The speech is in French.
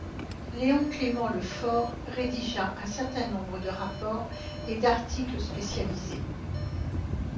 Léon Clément Le Fort rédigea un certain nombre de rapports et d'articles spécialisés.